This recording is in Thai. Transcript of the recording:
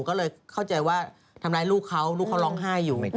ก็เลยเข้าใจว่าทำร้ายลูกเขาลูกเขาร้องไห้อยู่